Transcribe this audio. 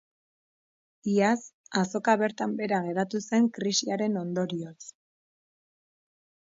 Iaz, azoka bertan behera geratu zen krisiaren ondorioz.